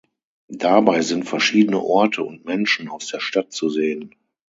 Dabei sind verschiedene Orte und Menschen aus der Stadt zu sehen.